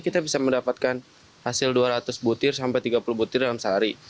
kita bisa mendapatkan hasil dua ratus butir sampai tiga puluh butir dalam sehari